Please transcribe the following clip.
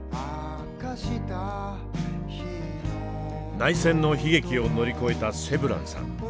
内戦の悲劇を乗り越えたセブランさん。